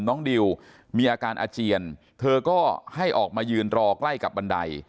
น้องดิวมีอาการอาเจียนเธอก็ให้ออกมายืนรอใกล้กับบันได